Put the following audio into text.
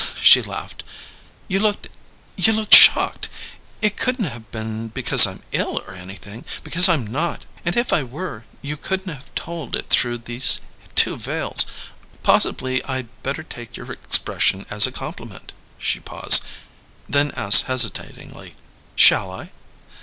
she laughed. "You looked you looked shocked! It couldn't have been because I'm ill or anything, because I'm not; and if I were you couldn't have told it through these two veils. Possibly I'd better take your expression as a compliment." She paused, then asked hesitatingly, "Shall I?"